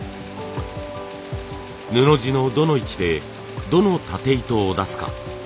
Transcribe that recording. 布地のどの位置でどのたて糸を出すか。